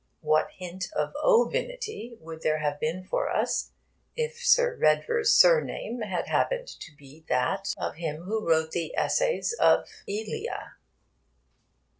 What hint of ovinity would there have been for us if Sir Redvers' surname had happened to be that of him who wrote the Essays of Elia?